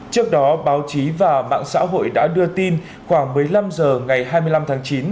trước đó báo chí và mạng xã hội đã đưa tin khoảng một mươi năm h ngày hai mươi năm tháng chín